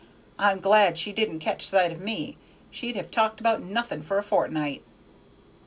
I'm glad she didn't catch sight of me; she'd have talked about nothing for a fortnight."